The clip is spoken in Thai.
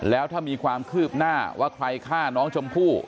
แล้วถ้ามีความคืบหน้าว่าใครฆ่าน้องชมพู่